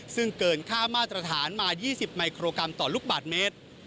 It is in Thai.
ซึ่งเกินค่ามาตรฐานมา๒๐มิโครกรัมต่อลูกบาทเมตร